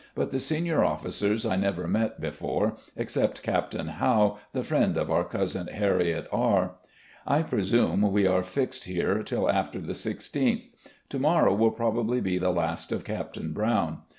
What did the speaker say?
but the senior officers I never met before, except Captain Howe, the friend of our Cotisin Harriet R . "I presume we are fixed here till after the i6th. To morrow will probably be the last of Captain Brown.